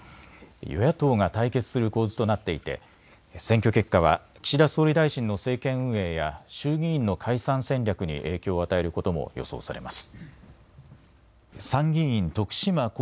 与野党が対決する構図となっていて選挙結果は岸田総理大臣の政権運営や衆議院の解散戦略に影響を与えることも予想されます。